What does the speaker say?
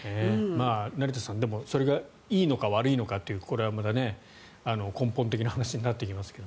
成田さんそれがいいのか悪いのかというこれはまた、根本的な話になってきますけど。